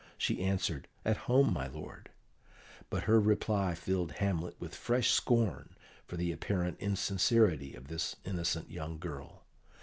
she answered, "At home, my lord." But her reply filled Hamlet with fresh scorn for the apparent insincerity of this innocent young girl.